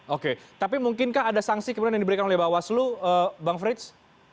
oke tapi mungkinkah ada sanksi kemudian yang diberikan oleh bawaslu bang frits